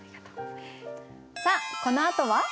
さあこのあとは？